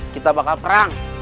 kita bakal perang